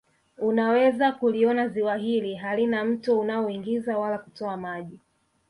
Unaweza kuliona Ziwa hili halina mto unaoingiza wala kutoa maji